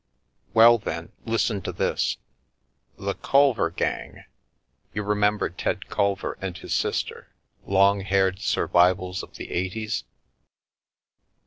"Well, then, listen to this. The Culver gang — you remember Ted Culver and his sister — long haired sur vivals of the eighties?"